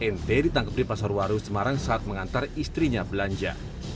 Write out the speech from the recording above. nt ditangkap di pasar waru semarang saat mengantar istrinya belanja